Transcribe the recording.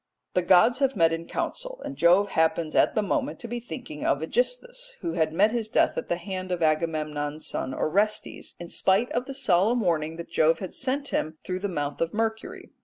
The gods have met in council, and Jove happens at the moment to be thinking of AEgisthus, who had met his death at the hand of Agamemnon's son Orestes, in spite of the solemn warning that Jove had sent him through the mouth of Mercury.